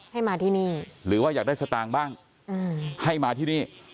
ให้มาที่นี่หรือว่าอยากได้สตางค์บ้างให้มาที่นี่